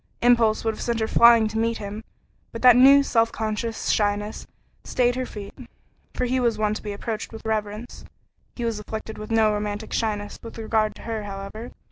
Impulse would have sent her flying to meet him, but that new, self conscious shyness stayed her feet, for he was one to be approached with reverence. He was afflicted with no romantic shyness with regard to her, however.